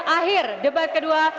akhir debat kedua